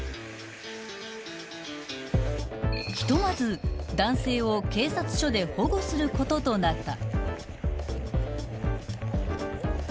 ［ひとまず男性を警察署で保護することとなった］